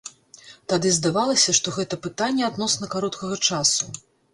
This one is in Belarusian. Тады здавалася, што гэта пытанне адносна кароткага часу.